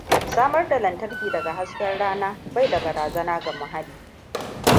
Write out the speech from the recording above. Samar da lantarki daga hasken rana bai da barazana ga muhalli.